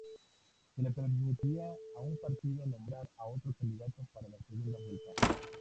Se le permitía a un partido nombrar a otro candidato para la segunda vuelta.